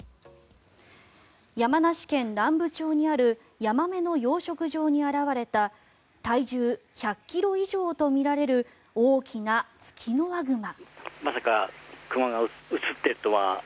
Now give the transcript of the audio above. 山梨県南部町にあるヤマメの養殖場に現れた体重１００ｋｇ以上とみられる大きなツキノワグマ。